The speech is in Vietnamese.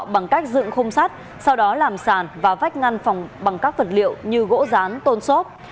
bằng cách dựng khung sắt sau đó làm sàn và vách ngăn bằng các vật liệu như gỗ rán tôn xốp